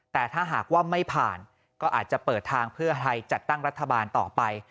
แต่ถ้าหากว่าไม่ผ่านก็อาจจะเปิดทางเพื่อไทยจัดตั้งรัฐบาลต่อไป